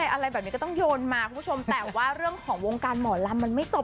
อะไรแบบนี้ก็ต้องโยนมาคุณผู้ชมแต่ว่าเรื่องของวงการหมอลำมันไม่จบ